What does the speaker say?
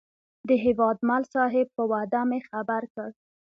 د هیوادمل صاحب په وعده مې خبر کړ.